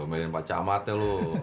dombainin pak camatnya lu